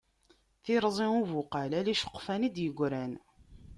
Tirẓi ubuqal, ala iceqfan i d-yegran.